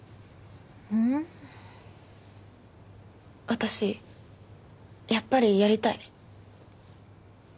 私やっぱりやりたい。